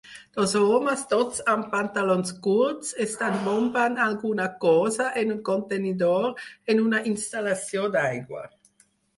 Dos homes, tots dos amb pantalons curts, estan bombant alguna cosa en un contenidor en una instal·lació d'aigua.